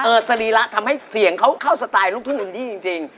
เออสรีระทำให้เสียงเขาเข้าสไตล์รุ่งทุกหนึ่งจริง